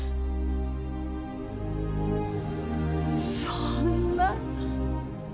そんな。